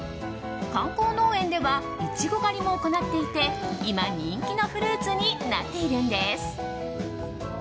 観光農園ではイチゴ狩りも行っていて今、人気のフルーツになっているんです。